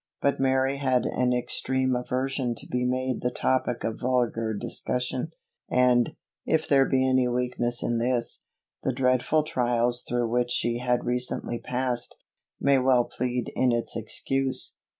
But Mary had an extreme aversion to be made the topic of vulgar discussion; and, if there be any weakness in this, the dreadful trials through which she had recently passed, may well plead in its excuse.